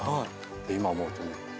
今思うとね。